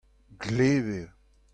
gleb eo.